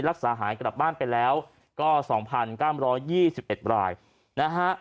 รักษาหายกลับบ้านไปแล้วก็๒๙๒๑รายนะฮะ